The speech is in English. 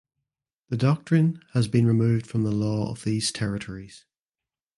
The doctrine has been removed from the law of these territories.